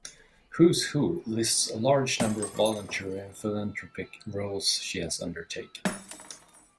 "Who's Who" lists a large number of voluntary and philanthropic roles she has undertaken.